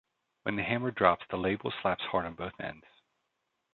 When the hammer drops the Lebel slaps hard on both ends.